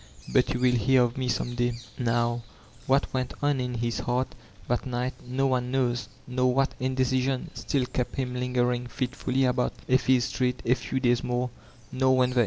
But you will hear of me some day.* Now, what went on in his heart that night no one knows; nor what indecision still kept him lingering fit fully about Effie's street a few days more ; nor when.